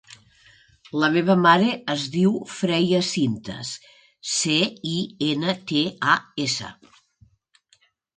La meva mare es diu Freya Cintas: ce, i, ena, te, a, essa.